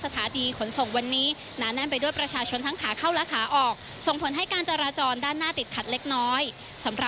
ทำให้ร่องรับประชาชนเขาก็จะเคยเดินทางกลับเคยเคยมา